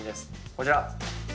こちら。